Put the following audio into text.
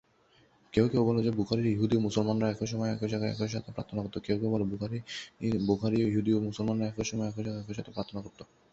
কেউ কেউ বলে যে বুখারীয় ইহুদি ও মুসলমানরা একই সময়ে একই জায়গায় একই সাথে প্রার্থনা করতো।